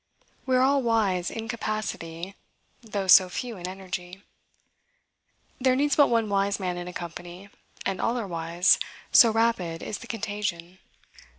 We are all wise in capacity, though so few in energy. There needs but one wise man in a company, and all are wise, so rapid is the contagion.